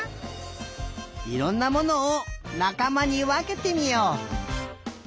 いろんなものをなかまにわけてみよう。